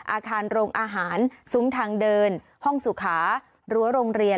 อาคารโรงอาหารซุ้มทางเดินห้องสุขารั้วโรงเรียน